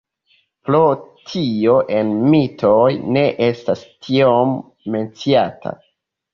Pro tio en mitoj ne estas tiom menciata.